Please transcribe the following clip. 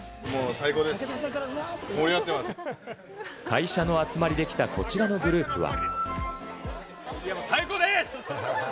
会社の集まりで来たこちらのグループは。